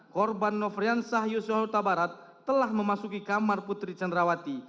korban nofrian sahyus yota barat telah memasuki kamar putri candrawati